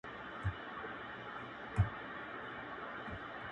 • زه هوښیار یم خوله به څنګه خلاصومه -